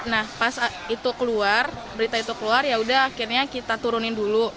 nah pas itu keluar berita itu keluar yaudah akhirnya kita turunin dulu